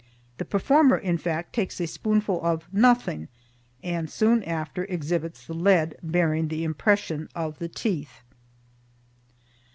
The performer, in fact, takes a spoonful of nothing, and soon after exhibits the lead bearing the impression of the teeth.